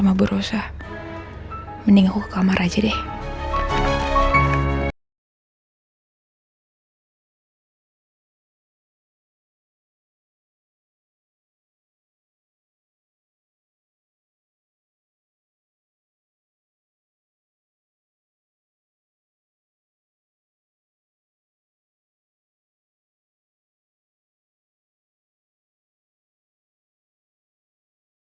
mumpung papa juga belum pulang dari kantor